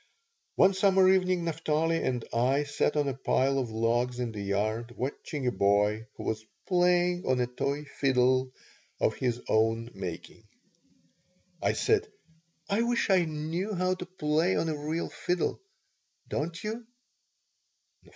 One summer evening Naphtali and I sat on a pile of logs in the yard, watching a boy who was "playing" on a toy fiddle of his own making. I said: "I wish I knew how to play on a real fiddle, don't you?"